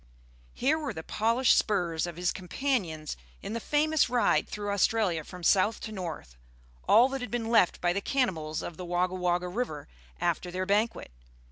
Here were the polished spurs of his companion in the famous ride through Australia from south to north all that had been left by the cannibals of the Wogga Wogga River after their banquet.